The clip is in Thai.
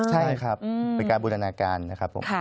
ใช่ครับเป็นการบูรณาการนะครับผม